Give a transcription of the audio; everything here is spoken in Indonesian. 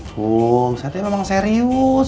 kum saya tuh memang serius